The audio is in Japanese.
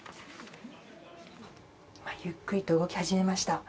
ゆっくりと動き始めました。